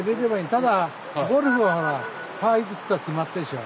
ただゴルフはほらパーいくつか決まってるでしょう。